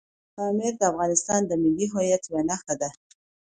پامیر د افغانستان د ملي هویت یوه نښه ده.